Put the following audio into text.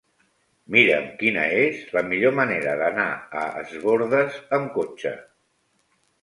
Mira'm quina és la millor manera d'anar a Es Bòrdes amb cotxe.